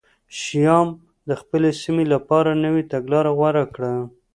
شیام د خپلې سیمې لپاره نوې تګلاره غوره کړه